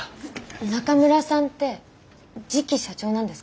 中村さんって次期社長なんですか？